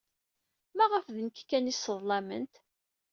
Maɣef d nekk kan ay sseḍlament?